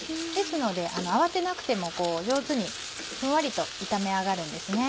ですので慌てなくても上手にふんわりと炒め上がるんです。